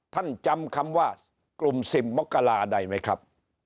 จำคำว่ากลุ่ม๑๐มกราได้ไหมครับ